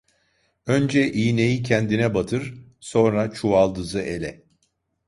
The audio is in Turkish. Önce iğneyi kendine batır, sonra çuvaldızı ele.